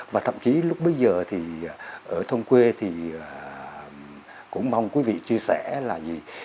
và thậm chí lúc bây giờ thì ở thông quê thì cũng mong quý vị chia sẻ là gì